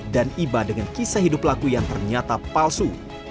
dan iba dengan kisah hidup pelaku yang ternyata palsu